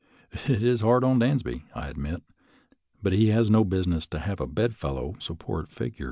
It is hard on Dansby, I ad mit, but he has no business to have a bedfellow so poor at figures.